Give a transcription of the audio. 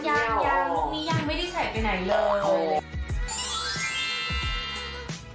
ยังนี่ยังไม่ได้ใส่ไปไหนเลย